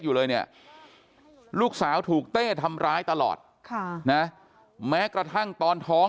อยู่เลยเนี่ยลูกสาวถูกเต้ทำร้ายตลอดค่ะนะแม้กระทั่งตอนท้อง